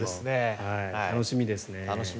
楽しみですね。